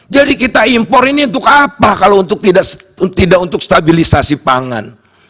kita impor ini untuk apa kalau untuk tidak untuk stabilisasi pangan